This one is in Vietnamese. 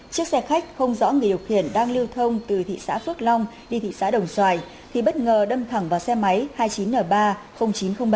chiếc xe khách không rõ người điều khiển đang lưu thông từ thị xã phước long đi thị xã đồng xoài thì bất ngờ đâm thẳng vào xe máy hai mươi chín n ba chín trăm linh ba